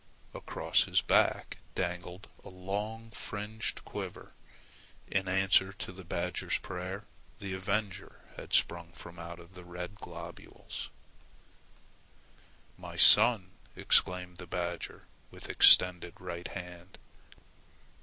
Across his back dangled a long fringed quiver. In answer to the badger's prayer, the avenger had sprung from out the red globules. "My son!" exclaimed the badger with extended right hand.